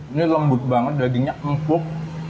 ini lembut banget dagingnya empuk